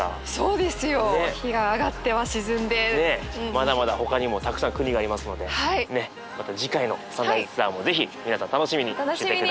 まだまだほかにもたくさん国がありますのでまた次回のサンライズツアーもぜひ皆さん楽しみにしてて下さい。